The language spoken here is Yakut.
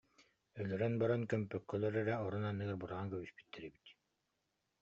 «Өлөрөн баран, көмпөккөлөр эрэ, орон анныгар быраҕан кэбиспиттэр эбит